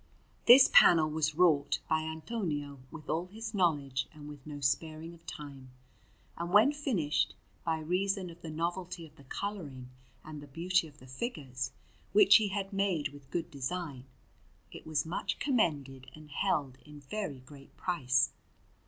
This panel was wrought by Antonio with all his knowledge and with no sparing of time; and when finished, by reason of the novelty of the colouring and the beauty of the figures, which he had made with good design, it was much commended and held in very great price.